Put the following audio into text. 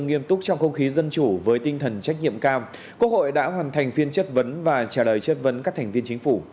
quốc hội đã hoàn thành phiên chất vấn và trả lời chất vấn các thành viên chính phủ